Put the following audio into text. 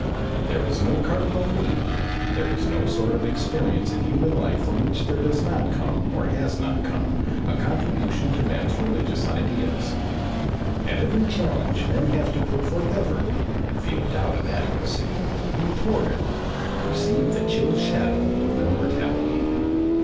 There is no cardinal need, there is no sort of experience in human life from which there does not come or has not come a contribution to men's religious ideas. At every challenge men have to put forth effort, feel doubt of adequacy, be thwarted, perceive the chill shadow of their mortality.